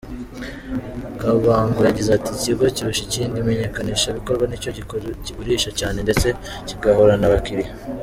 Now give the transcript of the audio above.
Kabango yagize ati “Ikigo kirusha ikindi imenyekanishabikorwa nicyo kigurisha cyane ndetse kigahorana abakiriya.